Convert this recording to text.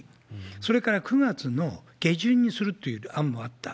それから９月の下旬にするという案もあった。